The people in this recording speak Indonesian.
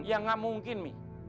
ya gak mungkin mi